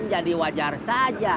jadi wajar saja